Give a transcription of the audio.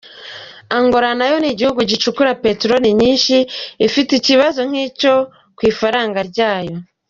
Angola nayo nk’igihugu gicukura peteroli nyinshi, ifite ikibazo nk’icyo ku ifaranga ryayo.